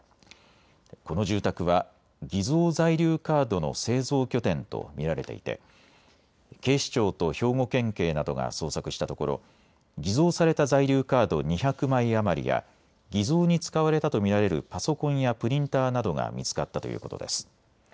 この住宅は偽造在留カードの製造拠点と見られていて警視庁と兵庫県警などが捜索したところ偽造された在留カード２００枚余りや偽造に使われたと見られるパソコンやプリンターなどが見つかったということです。